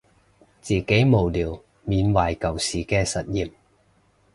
自己無聊緬懷舊時嘅實驗